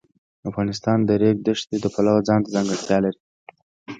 افغانستان د د ریګ دښتې د پلوه ځانته ځانګړتیا لري.